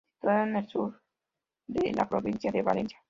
Situado en el sur de la provincia de Valencia.